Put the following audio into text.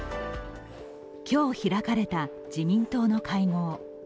今日開かれた自民党の会合。